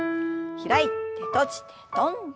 開いて閉じて跳んで。